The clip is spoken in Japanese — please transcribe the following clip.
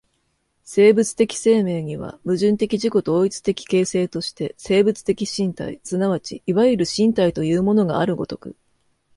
生物的生命には、矛盾的自己同一的形成として生物的身体即ちいわゆる身体というものがある如く、